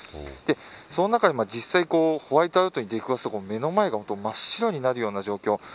その中で実際ホワイトアウトに出くわすと目の前が真っ白になるような状況。